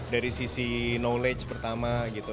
dari sisi knowledge pertama gitu